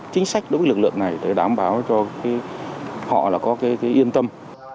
chính sách đối với lực lượng này để đảm bảo cho họ là có yên tâm